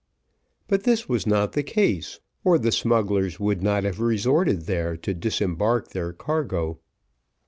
But this was not the case, or the smugglers would not have resorted there to disembark their cargo.